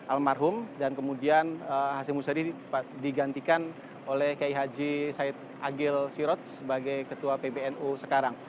almarhum dan kemudian hashim musadi digantikan oleh k h agil sirot sebagai ketua pbnu sekarang